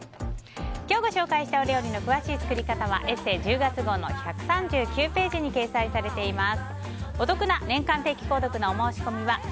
今日ご紹介したお料理の詳しい作り方は「ＥＳＳＥ」１０月号の１３９ページに掲載されています。